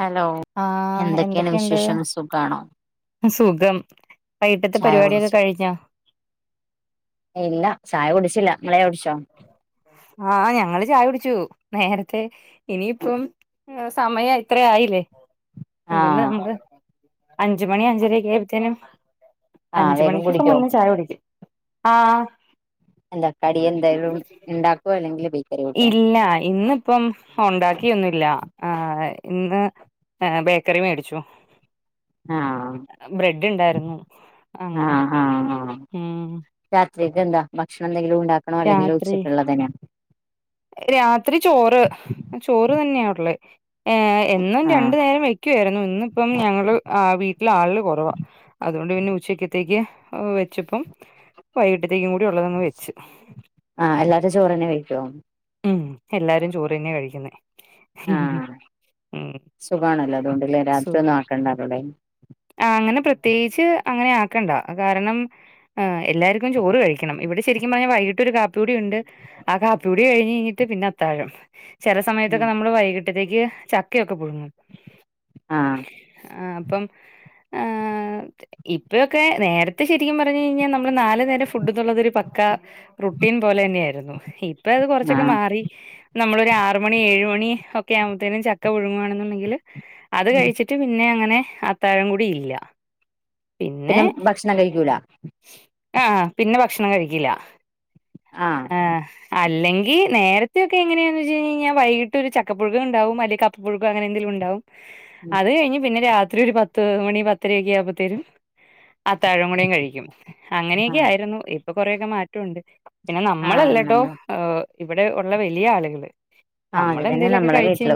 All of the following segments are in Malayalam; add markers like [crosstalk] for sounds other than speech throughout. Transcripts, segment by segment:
ഹലോ ആഹ് എന്തൊക്കെയാണ് എന്തൊക്കെയുണ്ട് വിശേഷം സുഖാണോ സുഖം വൈകിട്ടത്തെ ചായ കുടി പരിപാടിയൊക്കെ കഴിഞ്ഞോ ഇല്ല ചായ കുടിച്ചില്ല മളെ പടിച്ചോ ആഹ ഞങ്ങള് ചായ പിടിച്ചു നേരത്തെ ഇനിയിപ്പം സമയം ഇത്ര ആയില്ലേ എന്തുണ്ട് ആഹ് നമ്മള് അഞ്ച മണി അഞ്ചരയ്ക്ക എബത്തേന ആഹ് അഞ്ച വേഗം മണിക്കൊക്കെ കുടിക്കോ മുന്നേ ചായ കുടിക്കും ആഹ എന്താ കട എന്തും ഉണ്ടാക്ക അ അെങ്കിൽ ഇല്ല ഇന്നിപ്പം ഉണ്ടാക്കിയൊന്നുമില്ല ആ ഇന്ന് ബേക്കറി മേടിച്ചു ആഹ് ബ്രെഡ് ഉണ്ടായിരുന്നു അങ്ങനെ ഉ ജഗന്താ ഭക്ഷണം എന്തെങ്കിലും ഉണ്ടാക്കണോ അല്ലെങ്കിൽ രാത്രി ഉച്ചിട്ടുള്ളതിനെയോ രാത്രി ചോറ് ഏ എന്നും രണ്ടു ആഹ് നേരം വെക്കുായിരുന്നു ഇന്നിപ്പം ഞങ്ങള് ആ വീട്ടിലെ ആളള് കുറവാ അതുകൊണ്ട് പിന്നെ ഉച്ചക്കത്തേക്ക് വെച്ചപ്പം വൈകട്ട് ആഹ എല്ലാത്തും ചോറ്ന്നെ കഴിക്കോ ഉം എല്ലാരും ചോറ് തന്നെ കഴിക്കുന്ന ആഹ സുഖമാണല്ലോ അതുകൊണ്ടില്ലേ സോ രാത്രി ഒന്നും ആക്കണ്ടറോടെേ ആഹ് അങ്ങനെ പ്രത്യേകിച്ച് അങ്ങനെ ആക്കണ്ട കാരണം ഹ് എല്ലാർക്കും ചോറ് കഴിക്കണം ഇവിടെ ശരിക്കും പറഞ്ഞാൽ വൈകിട്ട ഒരു കാപ്പ്യൂടി ഉണ്ട് ആ കാപ്പിൂടി എടി കഴിഞ് കഴഞ്ഞട്ട് പിന്ന അത്താഴം ചില ഉം സമയത്തക്കെ നമ്മള് വൈകട്ട് അത്തേക്ക് ചക്കക്ക ടു ആഹ് ആ ഇപ്പം ഇപ്പയൊക്കെ നേരത്തെ ശരിക്കും പറഞ്ഞു കഴിഞ്ഞാൽ നമ്മള് നാല്ു നേരം ഫുഡ് എന്നുള്ളതൊരു പക്ക റട്ടീൻ പോലെ തന്നെയ ആായിരുന്നു ത് കുറച്ചൊക്കെ ആഹ് മാറി നമ്മളൊരു ആറ് മണി ഏഴുമ മണ ഒക്കെ ആുമ്പഴത്തേും ചക്ക ഒഴുങ്ങുവാണെന്നുണ്ടെങ്കിൽ അത് ഉം കഴിച്ചിട്ട് പിന്നെ അങ്ങനെ ആ താരം കൂടി ഇല്ല പിന്നെ ഭക്ഷണം കഴിക്കൂല ആഹ പിന്നെ ഭക്ഷണം കഴിക്കില്ല ആഹ അല്ലെങ്ക നേരത്തെൊക്കെ എങ്ങനെയാന്ന് വെച്ച് കഴഞ്ഴിഞ്ഞാൽ വൈകിട്ട് ഒരു ചക്കപ്പുഴ ഉണ്ടാവും അല്ലങ്ക കപ്പുഴുക അങ്ങനെന്തെിലും ഉണ്ടാവും അത് കഴിഞ്ഞ് പിന്നെ രാ അത്ര ഒരു പത്ത് മണി പത്തരയൊക്കെ ആവുമ്പോത്തേരും അത്താഴം കൂടയും കഴിക്കും അങ്ങനെയൊക്കെ ആഹ് ആയിരുന്നു കൊറെൊക്കെ മാറ്റമുണ്ട് പിന്നെ ആഹ് നമ്മളല്ലട്ടോ നമ്മള് ഹ് ഇവിടെ ഉള്ള വലിയ ആളുകൾ ആഹ അത്തന്നെ നമ്മളെ വീട്ടില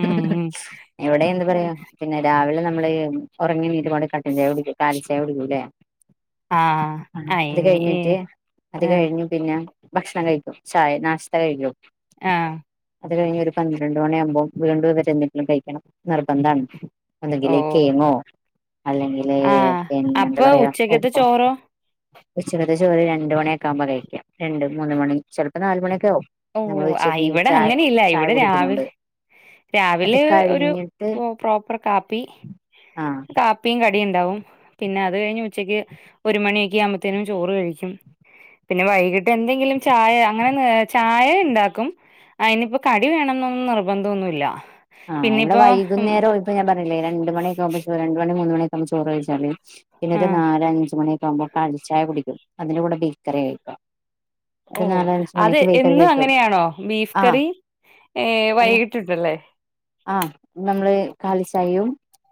ഉം ഉം എവിടെ എന്ത് പറയാ പിന്നെ രാവിലെ നമ്മള് ഉറങ്ങ കട്ടവിട കാലിച്ചവിടിക്കൂല്ലേ ആഹ് ആഹ് അത് ഇനി കഴിഞ്ഞിട്ട് അത് ആഹ് കഴിഞ്ഞു പിന്നെ ഭക്ഷണം കഴിക്കും ചായ നാശത കഴിക്കും ആഹ അത് കഴിഞ്ഞ് ഒരു പന്ത്രണ്ട് മണിയ ആകുമ്പോം വീണ്ടും വരെ എന്തെങ്കിലും കഴിക്കണം നിർബന്ധമാണ് ഓ ഒന്നുകിൽ കിഴങ്ങ് ഓ അല്ലെങ്കില് ആഹ് പിന്നെ എന്താ അപ്പൊ പറയാ ഉച്ചക്കത്തെ ഉപ്പം ചോറോ ഉച്ചിരത്തെ ചോറി രണ്ട് മണിയക്കാവകുമോ കഴിക്കാം രണ്ട് മൂന്ന് മണി ചിലപ്പോ നാ മണിയക്കെ ആകും ഓ ആയി ഇവിടെ അങ്ങനെ ഇല്ല ഇവിടെ രാവില കുടിക്കുന്നുണ്ട് അത് രാവിലെ ഒരു കഴിഞ്ഞിട്ട് പ്രോപ്പർ കാപ്പി ആഹ് കാപ്പിയും ക ണ്ടാവും പിന്നെ അത് കഴ ഉച്ചക്ക് ഒരു മണിയൊക്കെ ആ്പത്തേനും ചോറ് കഴിക്കും പിന്നെ വൈിട്ട് എന്തെങ്കിലും ചായങ്ങനെ ചായ ഉണ്ടാക്കും അതിനിപ്പോ കടി വേണം എന്നൊന്നും നിർബന്ധം ഒന്നുമില്ല ആ ഇവിടെ വൈകുന്നേരം ഇപ്പ ഞാൻ പറഞ്ഞി ല്ലേ രണ്ട് മണി മു ചോ രണ്ട്മണി മൂന്ന് മണി ചോറ്ഴിച്ചാൽ പിന്നെ ഒരു ആഹ് നാല് അഞ്ച്മണി പോകുമ്പോ കാലിച്ചായ കുടിക്കും അതിന്റെ കൂടെ ബേക്കറി കയിക്കും ഓ അത് എന്നും അങ്ങനെയാണോ ബീഫ് ആഹ് കറി ഏ വൈകിട്ടുണ്ടല്ലേ ആഹ നമ്മള് കാലി ചായയും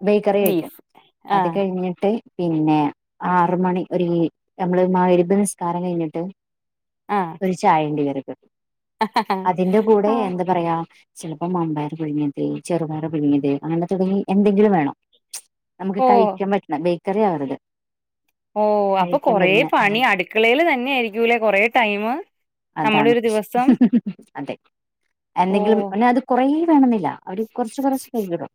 ബേക്കറി കയിക്കും ബീഫ് അത് ആഹ് കഴിഞ്ഞിട്ട് പിന്നെ ആർ മണി ഒരു നമ്മള് മാ മഹ് രിബ് നിസ്കാരം കഴിഞ്ഞിട്ട് ഒരു ചായ ഉണ്ടി വരും ഓ ആഹ് അതിന്റെ കൂടെ എന്താ പറയാ ചെലപ്പ വൻപയർ പുഴുങ്ങിയത് ചെറുപയർ പുഴുങ്ങിയത് അങ്ങനെ തുടങ്ങി എന്തെങ്കിലും വേണം നമുക്ക് ഓ കഴിക്കാൻ പറ്റണം കറിയാവരുത് ഓ അപ്പൊ കൊറ പണി അടുക്കളയിയില് തന്നെ ആയിരിക്കൂല്ലേ കൊറ ടൈം നമ്മുടെ അതാണ് ഒരു ദിവസം പ്രശ്നം. അതെ ഓ എന്തെങ്കിലും പിന്നെ അത് [unintelligible] അവര് കൊറച്ച് കൊറച്ച് കഴിടും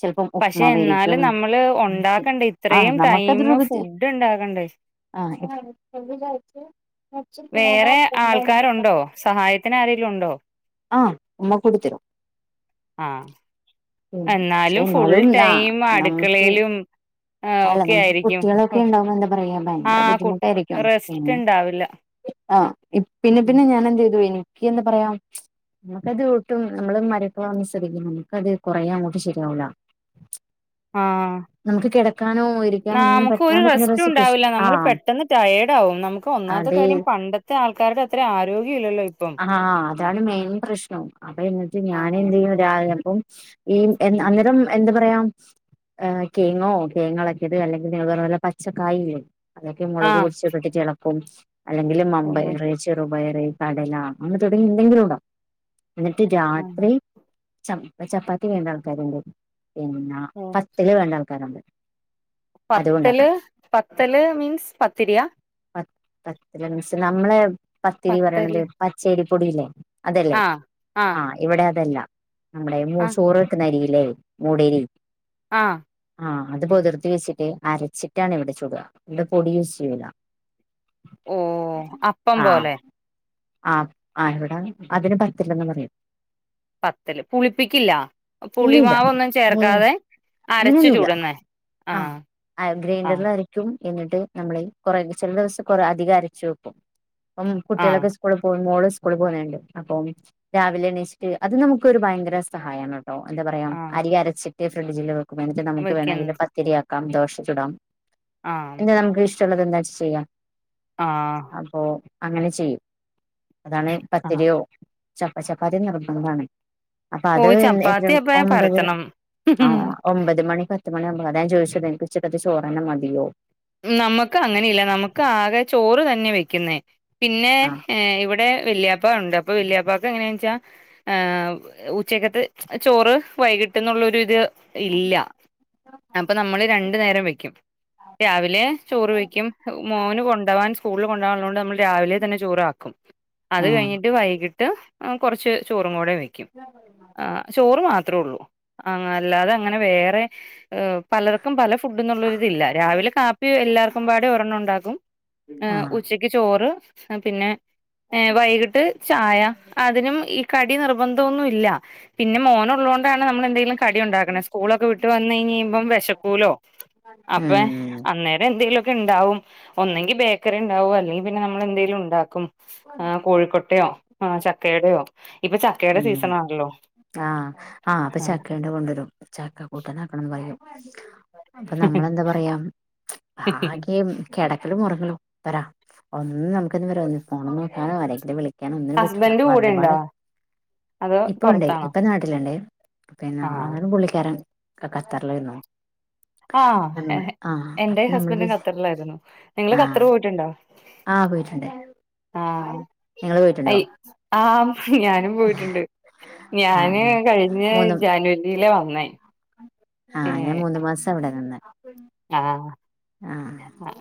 ചെല്പ്പം പക്ഷെ ഉപ്പുമവാ യിരിക്കും എന്നാലും നമ്മള് ഒണ്ടാക്കണ്ടേ ആ ഇത്രയും നമുക്ക ടൈമ് തപ ഫുഡ് ഇണ്ടാക്കണ്ടേ ആ എവിത ആച്ച വേറെ ആള്ക്കാരുണ്ടോ സഹായത്തിന് അരേലുൻണ്ടൊ ആഹ് ഉമ്മ കുടിത്തിരും ആ പക്ഷെ എന്നാലും ഫുൾ ന ടൈം നമുക്ക് അടുക്കളയിലും ആഹ് അല്ല ഒക്കെ നമക്ക് ആയിരിക്കും കുട്ടികളൊക്കെ ഉണ്ടാവുമ എന്താ പറയാ ഭയങ്കര ആഹ് കുട്ട് ബുദ്ധിമുട്ടായിരിക്കും റെസ്റ്റ് പിന്നെ ഇണ്ടാവില്ല ആ പിന്നെ പിന്നെ ഞാനെ എന്ത് ചെയ്തുയിനു എന്താ പറയാ നമുക്കത് ഒട്ടും നമ്മള് മരക്കള സ്ഥിതിക്ക് നമുക്കത് കൊറ അങ്ങോട്ട് ശരിയാവൂല ആ നമുക്ക് കിടക്കാനോ ന ഇരിക്കാനോ ഒന്നിനും നമുക്ക് ഒരു പറ്റാണ്ടിരിക്കുന്ന റെസ്റ്റ സിറ്റുവേഷൻ ഉണ്ടാവില്ല നമ്മള് ആഹ് പെട്ടെന്ന് ടയേർഡ് ആകും നമുക്ക് ഒന്നാമത്തെ അതെ കാര്യം പണ്ടത്തെ ആൾക്കാരുടെ അത്ര ആരോഗ്യം ഇല്ലല്ലോ ഇപ്പം ആഹ് അതാണ് മെയിൻ പ്രശ്നം ഉം ഈ എന്ന അന്നേരം എന്ത് പറയ ആ കേങ്ങോ തേങ്ങങ്ങളൊക്കെത് അല്ലെങ്കിൽ നിങ്ങൾ പറഞ്ഞ പൊലെ പച്ചക്കായില്ലേ അതൊക്കെ മുളക് ആഹ് പൊടിച ജെളം [unintelligible] അല്ലെങ്കില് ഓഹ് മമ്പയറ് ചെറു പയറ് കടല അങ്ങനെ തുടങ്ങി എന്തെങ്കിലും ഇടാ എന്നിട്ട് ആഹ് രാത്രി ചപ് ചപ്പാത്തി വേണ്ട ആൾക്കാര്ണ്ട് പിന്നാ ഓഹ് ഫസ്റ്റില് വേണ്ടാൾ [unintelligible] പത്തല് പത്തല് മീൻസ് പത്തിരിയാ പത്തല് മീൻസ് നമ്മളെ പത്തിരി പറയണത് പത്തല് പച്ചേരി പൊടിയില്ലേ അതല്ലേ ആഹ് ആഹ് ആ ഇവിടെ അതല്ല നമ്മുടെ ആഹ് [unintelligible] വെക്ക്ന്നെ അരിയില്ലേ മൂഡെരി ആഹ് അത് പൊതിർത്തി വെച്ചിട്ട് അരച്ചിട്ടാണ് ഇവിടെ ചുടുവാ ഇവിടെ പൊടി യൂസ് ചെയ്യൂല ഓഹ് അപ്പം പോലെ അപ് ആഹ് ഇവിട അതിന് പത്തലെന്ന് പറയും പത്തല് പുളിപ്പിക്കില്ല ഇല്ല ഇല്ല പുളിമാവൊന്നും ഏഹ് ചേർക്കാതെ അരച്ച് അങ്ങനെയൊന്നുല്ല ചുട്ന്നെ ആഹ് ഗ്രൈൻഡറില് അരയ്ക്കും എന്നിട്ട് നമ്മള് കൊറെേ ചെല ദിവസം കൊറേ അധികം അരച്ച് വെക്കും പ്പം ആഹ് കുട്ടികളൊക്കെ സ്കൂളിൽ പോവും മോള് ഉസ് സ്കൂള് പോന്നെ ഇണ്ട് അപ്പം രാവിലെ എണീച്ചിട്ട് അത് നമുക്കൊരു ഭയങ്കര സഹായാണ് എന്താ പറയാ ആഹ് അരി അരച്ചി റ്റെ ഫ്രിഡ്ജില് വെക്കും ഞാന് വേണങ്കിൽ വെക്കുന്നത് പത്തിരിയാക്കാം ദോശ ചുടാം ആഹ് എന്തെ [unintelligible] ടുള്ളത് എന്താച്ച് ചെയ്യാം ആഹ് അപ്പോ അങ്ങനെ ചെയ്യും അതാണെ ആഹ് പത്തിരിയോ ചപ്പ ചപ്പാത്തി നിർബന്ധാണെ അപ്പൊ അത് ഓയ് എന് എത്ര ചപ്പാത്തി എപ്പഴാ ഒമ്പതെര പരത്തണം ആഹ് ഒമ്പത് മണി പ പണിയാവുമ്പോ വരാ ഞാൻ ചോദിച്ചതെ എനിക്ക് ഉച്ചക്കത്തെ ചോറെന്നെ മതിയോ നമ്മുക്ക് അങ്ങനെയില്ല നമ്മക്ക് ആകെ ചോറ് തന്നെ വെക്കിന്നേ പിന്നെ ആ ഏ ഇവിടെ വല്ല്യാ പ്പ ഒണ്ട്. അപ്പ വെല്ല്യാപ്പാക്ക് എങ്ങനെന്ന്ച്ചാ ഏഹ് ഉച്ചക്കത്തെ ചോറ് വൈകിട്ട് എന്നുള്ളൊരു ഇത് ഇല്ല. അപ്പ നമ്മള് രണ് ണ്ട് നേരം വെക്കും. രാവിലെ ചോറ് വെയ്ക്കും. മോന് കൊണ്ടവാൻ സ്കൂള് കൊണ്ടവാൻ ഉള്ളോണ്ട് നമ്മൾ രാവിലെ തന്നെ ചോറാക്കും. അത് ആ കഴിഞ്ഞിട്ട് വൈകിട്ട് ഞാൻ കൊറച്ച് ചോറും കൂടെ വയ് ക്കും. ആ ചോറ് മാ ത്രള്ളൂ. ആങ്ങ അല്ലാതെ അങ്ങനെ വേറെ ഏഹ് പലർക്കും പല ഫു ഫുഡ്ന്ന്ള്ള ഒര് ഇതില്ല. രാവിലെ കാപ്പി എല്ലാർക്കും പാടെ ഒരെണ്ണം ഉണ്ടാക്കും. ആ ഏഹ് ഉച്ചയ്ക്ക് ചോറ് ആ പിന്നെ ഏഹ് വൈകിട്ട് ചായ അതിനുംഈ കടി നിർബന്ധ ഒന്നു ഇല്ല. പിന്നെ മോന് ഉള്ളോണ്ടാണ് നമ്മള് എന്തെലും ക കടി ഉണ്ടാക്ക്ണ. സ്കൂളൊക്കെ വിട്ട് വന്ന് ഴിഞ്ഞീമ്പം വെശക്കൂലോ അപ്പേ ഉം അന്നേരം എന്തെലുക്കെ ഇണ്ടാവും. ഒന്നെങ്കി ബേക്കറിം ഇണ്ടാവു അല്ലേ പിന്നെ നമ്മള് എന്തേലും ഉണ്ടാക്കും. ആ കോഴിക്കൊട്ടയോ ആ ചക്കയടെ യോ ഇപ്പ ച ഉ ആ ആ അപ്പൊ ചക്കണ്ട കൊണ്ടുവരും ചക്ക കൂട്ടാ ന ആക്കണംന്ന് പറ അപ്പൊ നമ്മളെന്താ പറയാ ആകെ കിടക്കൽ മുറങ്ങ രാ ഒന്നും നു ഫോൺ നോക്കോ ആരെങ്കിലും വിളിക്കാനോ ഒന്നിനും പറ്റുല്ല ഹസ്ബൻഡ് കൂടെ വന്ന ഉണ്ടോ പാടെ അതോ ഇപ്പൊ ഉണ്ട് പുറത്താണോ ഇപ്പൊ നാട്ടില് ണ്ടേ പിന്നെ ആ അതും പുള്ളിക്കാരൻ കത്തറിലാരുന്നു ആ എന്റെ നമ്മള് ഹസ്ബൻഡും ഖത്തറിലായിരുന്നു നിങ്ങള് ഖത്തർ പോയിട്ടുണ്ടോ ആ പോയിട്ടുണ്ടേ ആ നിങ്ങള് പോയിട്ടുണ്ടോ അയ് ആ ഞാനും പോയിട്ടുണ്ട് ഞാന് ആഹ് കഴിഞ്ഞ ജാനുവരിയില വന്നു ന്നായി ആ ഞാൻ മൂന്ന് മാസം അവിടെ നിന്ന് ആ ആഹ് ആ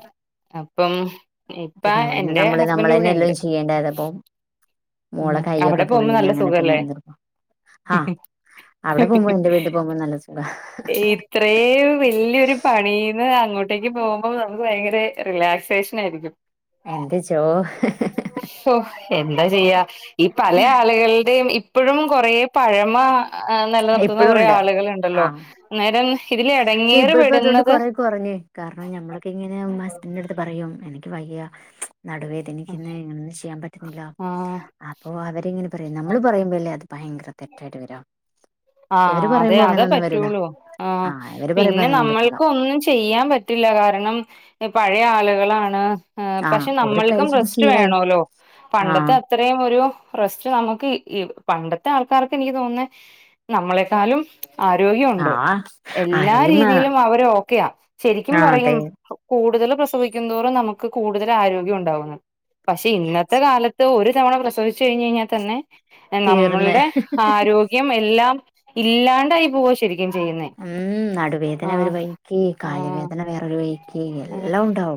ഇപ്പം പിന്നെ അവിടുന്ന് നമ്മള് നമ്മള് തന്നെ എല്ലാം ചെയ്യേണ്ടത് അപ്പൊ ഉംഅവിടെ പോകുമ്പോ നല്ല സുഖല്ലേ ആഹ് അവിടെ പോകുമ്പോ എന്റെ വീട്ടിൽ പോകുമ്പോ നല്ല സുഖാ ഇത്രേ വലിയൊരു പണീന്ന് അങ്ങോട്ടേക്ക് പോകുമ്പോ നമുക്ക് ഭയങ്കരറിലാ ശേഷനായിരിക്കും എന്ത് ചോ ഹെ എന്താ ചെയ്യാ ഈ പല ആളുകളുടെയും ഇപ്പോഴും കുറേ പഴമ നിലനിർത്തുന്ന ഇപ്പഴും കുറെേ ഉണ്ട് ആളുകളുണ്ടല്ലോ ആഹ് അന്നേരം ഇതിൽ പക്ഷെ എടങ്ങേറ് ഇപ്പൊ ഇപ്പൊ അതുകൊണ്ട് പെടുന്നത് കൊറെ കുറഞ്ഞേ കാരണം നമ്മളൊക്കെ ഇങ്ങനെ മാസ്റ്ററിന്റെ അടുത്ത് പറയും എനിക്ക് വയ്യ നടുവേദനിക്കിന്ന് എനിക്കിന്ന് ഇങ്ങനൊന്നും ചെയ്യാൻ പറ്റുന്നില്ലോ ആ അപ്പോ അവരിങ്ങനെ പറ നമ്മള് പറയുമ്പോ അല്ലേ അത് ഭയര തെറ്റായിട്ട് വരുക ആ അതെ അതെ പറ്റുള്ളൂ ആ ആഹ് ഇവര് പറയുമ്പോ പിന്നെ അതൊന്നും പറ്റൂല നമ്മൾക്ക് ഒന്നും ചെയ്യാൻ പറ്റില്ല കാരണം പഴയ ആളുകൾ കളാണ് ആഹ് പക്ഷെ ഓര് നമ്മൾക്കും കഴിച്ചിട്ട് റെസ്റ്റ് ശീലായി വേണോല്ലോ പണ്ടത്തെ ആഹ് അത്രയും ഒരു റസ്റ്റ് നമുക്ക് പണ്ടത്തെ ആൾക്കാർക്ക് എനിക്ക് തോന്നുന്നെ നമ്മളെക്കാളും ആരോഗ്യമുണ്ട് ആഹ് എല്ലാ ആരോഗ്യമാ രീതിയിലും അവര് ഓക്കെയാ ശരിക്കും ആഹ് പറയും അതെ കൂടുതലും പ്രസവിക്കുന്തോറും നമുക്ക് കൂടുതൽ ആരോഗ്യം ഉണ്ടാകുന്നു പക്ഷെ ഇന്നത്തെ കാലത്ത് ഒരു ഒറ്റതവണ പ്രസവിച്ച് കഴിഞ്ഞ് കഴിഞ്ഞാൽ തന്നെ തീർന്ന് നമ്മളുടെ ആരോഗ്യം എല്ലാം ഇല്ലാണ്ടായി പോവ ശരിക്കും ചെയ്യുന്നേ ഉം നടുവേദന ആഹ് ഒരു വൈയ്ക്ക് കാല് ആഹ് വേദന വേറൊരു വൈയ്ക്ക്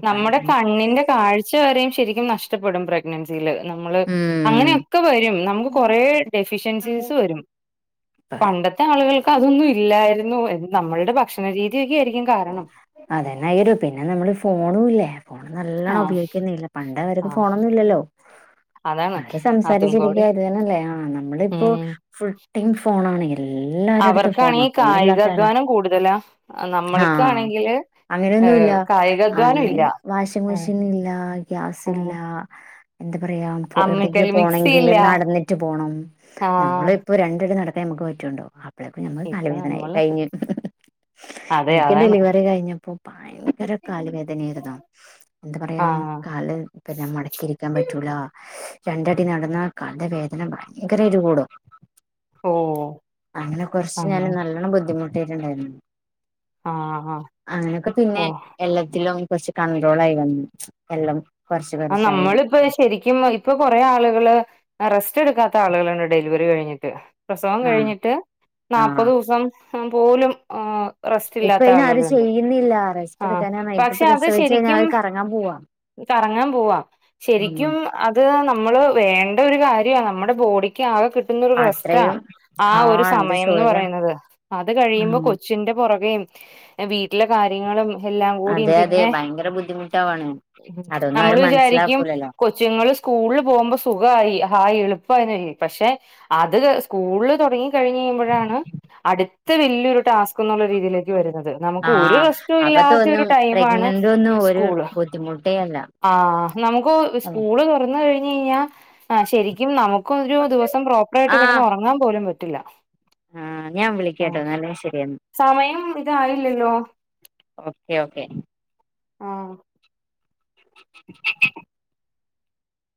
നമ്മുടെ കണ്ണിന്റെ കാഴ്ച വരെയും ശരിക്കും നഷ്ടപ്പെടും പ്രെഗൻസിയിൽ നമ്മള് ഉം അങ്ങനെയൊക്കെ വരും നമുക്ക് കൊറേ ഡെഫിഷ്യൻസീസ് അംബേദ്കർ വരും പണ്ടത്തെ ആളുകൾ അതൊന്നും ഇല്ലായിരുന്നു നമ്മളുടെ ഭക്ഷണരീതിയൊക്കെ ആയിരിക്ക അതന്നെയൊരു പിന്നെ നമ്മള് ഫോണുല്ലേ നല്ലവണം ആഹ് ഉപയോഗിക്കുന്നില്ലേ പണ്ടേ അവരത് ആഹ് ഫോണൊന്നും ഇല്ലല്ലോ അതാണ് അവര് അതും സംസാരിച്ചിരിക്ക കൂടി ഇത് തന്നല്ലേ ആഹ് ആ നമ്മൾ ഇപ്പോ ഫുൾ ടൈം ഫോൺ ആണെ അവർക്കാണ് ഈ കായികാധ്വാനം കൂടുതലാ നമ ആ അങ്ങനെയൊന്നുമില്ല കായികാധ്വാനം അന്ന് ഇല്ല ആഹ് വാഷിംങ്മെഷീൻ ഇല്ല ഗ്യാസ് ഇല്ല ആഹ് എന്ത പറയാ എവിടെയെങ്കിലും അമ്മിക്കല്ല് മിക്സി പോണങ്കിൽ ഇല്ല നടന്നിട്ട് പോണം നമ്മൾ ആഹ് ഇപ്പൊ രണ്ടടി നടക് അ [unintelligible] നമുക്ക് പറ്റുണ്ടോ [inaudible] നമുക്ക് ഇപ്പൊ തലവേദനായി നമ്മള് [unintelligible] അതെ എനിക്ക് അതാണ് ഡെലിവറി കഴിഞ്ഞപ്പോ ഭയങ്കര കാല് വേദനായിരുന്നു എന്ത പറയാ ആഹ് കാല് മടക്കി ഇരിക്കാൻ പറ്റൂല രണ്ടടി നടന്ന കാലിൻ്റെ വേദന ഭയങ്കരമായിട്ട് കൂടും. ഓഹ് അങ്ങനെ കുറച്ച് ഞാൻ അങ്ങനെ നല്ലോണം ബുദ്ധിമുട്ട് [unintelligible] ആഹ് ആഹ് അങ്ങനെയൊക്കെ പിന്നെ ഓഹ് എല്ലത്തിലും കുറച്ച് കൺട്രോൾ ആയി വന്നു എല്ലാം കുറച്ച് ആ കുറച്ചായി നമ്മളിപ്പ ശരിക്കും ഇപ്പൊ കൊറെ ആളുകള് റെസ്റ്റ് റെസ്റ്റ് എടുക്കാത്ത ആളുകളുണ്ട് ഡെലിവറി കഴിഞ്ഞിട്ട് പ്രസവം ആഹ് കഴിഞ്ഞിട്ട് ആഹ് നാല്പ്പത് ദിവസം ആ പോലും ആ ഇപ്പ ഇനിയാരും ചെയ്യുന്നില്ല റെസ്റ്റ് ആ എടുക്കാനാണ് ഇപ്പൊ പക്ഷെ അത് പ്രസവിച്ച് കഴിഞ്ഞാൽ ശരിക്കും അവര് കറങ്ങാൻ പോവാ കറങ്ങാൻ പോവാ ഉം ശരിക്കും അത് നമ്മൾ വേണ്ട ഒരു കാര്യമാണ് നമ്മുടെ ബോഡിക്ക് ആകെ കിട്ടുന്ന ഒരു റെസ്റ്റാ അത്രയും ആ ഒരു ആഹ് എന്ത് സമയമെന്ന് ചോദിക്കണം പറയുന്നത് അത് കഴിയുമ്പോ ഉം കൊച്ചിന്റെ പുറകേയും വില [inaudible] എല്ലാം കൂടും അതെ അതെ പിന്നെ ഭയങ്കര ബുദ്ധിമുട്ടാവാണ് അതൊന്നും നമ്മൾ അവര് വിചാരിക്കും മനസ്സിലാക്കൂലല്ലോ കൊച്ചുങ്ങൾ സ്കൂളിൽ പോകുമ്പോ സുഖമായി ഹായിളും ഇപ്പിയിനെ പക്ഷെ അത് സ്കൂളിൽ തൊടങ്ങി കഴിഞ്ഞ് കഴിയുമ്പോഴാണ് അടുത്ത് വെല്ലി യൊരു ടാസ്ക് എന്നുള്ള രീതിയിലേക്ക് വരുന്നത് അത് നമുക്ക് ഒരു ആഹ് അപ്പൊ പ്പില്ലാത്തൊരു തോന്നും ടൈമാണ് പ്രഗ്നന്റ് ഒന്നും ഒരു സ്കൂൾ ബുദ്ധിമുട്ടേ അല്ല ആ നമുക്ക് ആഹ് സ്കൂൾ തൊറന്ന് ന്ന്കഴിഞ്ഞ് കഴിഞ്ഞ അ ശരിക്കും നമുക്കും ക്കൊരോ ദിവസം പ്രോപ്പായിട്ട് ആഹ് കെടന്നെറങ്ങാൻ പോലും പറ്റും ട്ടില്ല ആഹ് ഞാൻ ആ വിളിക്കാട്ടോ എന്നാല് ശരിയെന്നാ സമയം ഇതായില്ലല്ലോ ഓക്കെ ഓക്കെ ആഹ [unintelligible]